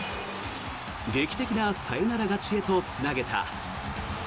劇的なサヨナラ勝ちへとつなげた。